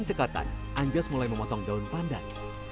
dekatan anjas mulai memotong daun pandan